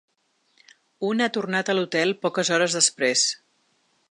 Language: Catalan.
Un ha tornat a l’hotel poques hores després.